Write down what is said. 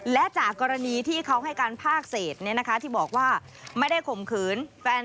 และจากกรณีที่เขาให้การภาคเศษที่บอกว่าไม่ได้ข่มขืนแฟน